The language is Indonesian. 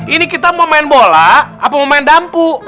ini kita mau main bola apa mau main dammpu